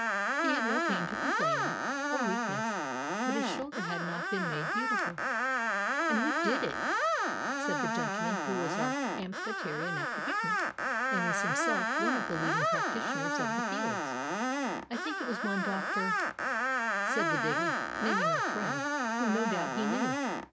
He had no pain to complain of, — or weakness; but his shoulder had not been made beautiful. "And who did it? " said the gentle 441 SOUTH AFRICA man who was our Amphytrion at the picnic and is him self one of the leading practitioners of the Fields. *'I think it was one Dr ," said the digger, naming our friend whom no doubt he knew.